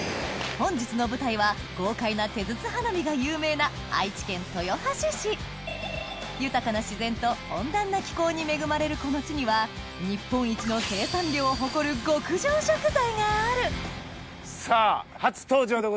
本日の舞台は豪快な手筒花火が有名な愛知県豊橋市豊かな自然と温暖な気候に恵まれるこの地には日本一の生産量を誇る極上食材があるさぁ初登場でございます。